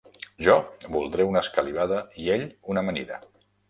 Jo voldré una escalivada i ell una amanida.